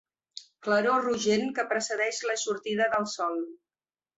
Claror rogent que precedeix la sortida del sol.